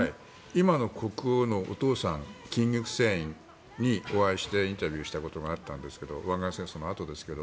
今の国王のお父さんキング・フセインにお会いしてインタビューしたことがあったんですが湾岸戦争のあとですが。